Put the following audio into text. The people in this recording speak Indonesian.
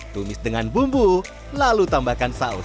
tumis dengan bumbu lalu tambahkan saus